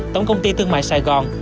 tổng công ty tương mại sài gòn